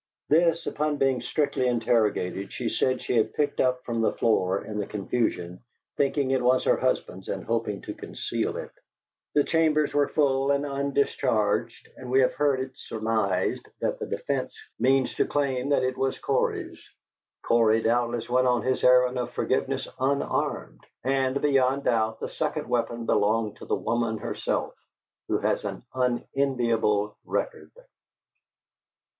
This, upon being strictly interrogated, she said she had picked up from the floor in the confusion, thinking it was her husband's and hoping to conceal it. The chambers were full and undischarged, and we have heard it surmised that the defence means to claim that it was Cory's. Cory doubtless went on his errand of forgiveness unarmed, and beyond doubt the second weapon belonged to the woman herself, who has an unenviable record.